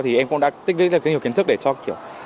thì em cũng đã tích lưỡi rất nhiều kiến thức để cho kiểu